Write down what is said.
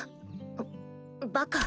バカ。